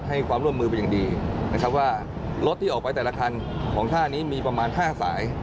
ให้ความร่วมมือเป็นอย่างดีนะครับว่ารถที่ออกไปแต่ละคันของท่านี้มีประมาณ๕สาย